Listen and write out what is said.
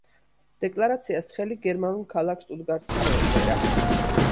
დეკლარაციას ხელი გერმანულ ქალაქ შტუტგარდში მოეწერა.